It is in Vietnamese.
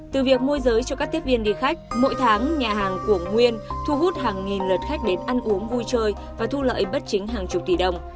từ việc môi giới cho các tiếp viên đi khách mỗi tháng nhà hàng của nguyên thu hút hàng nghìn lượt khách đến ăn uống vui chơi và thu lợi bất chính hàng chục tỷ đồng